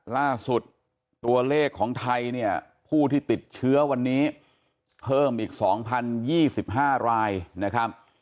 ล่าสุดตัวเลขของไทยเนี่ยผู้ที่ติดเชื้อวันนี้เพิ่มอีก๒๐๒๕รายนะครับ